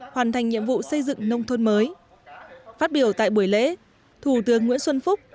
hoàn thành nhiệm vụ xây dựng nông thôn mới phát biểu tại buổi lễ thủ tướng nguyễn xuân phúc